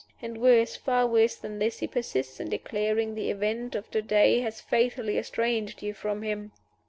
And worse, far worse than this, he persists in declaring the event of to day has fatally estranged you from him.